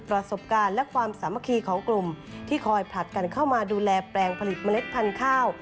ประสบการณ์และความสามัคคีของกลุ่มที่คอยผลัดกันเข้ามาดูแลแปลงผลิตเมล็ดพันธุ์ข้าว